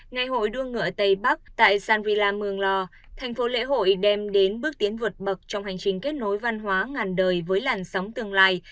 ngày hội đua ngựa tây bắc tại sanri la mường lò thành phố lễ hội đem đến bước tiến vượt bậc trong hành trình kết nối văn hóa ngàn đời với làn sóng tương lai